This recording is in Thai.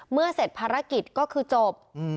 เมื่อเสร็จภารกิจก็คือจบ